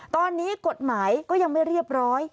ตอนนี้กฎหมายก็ยังไม่เรียบร้อย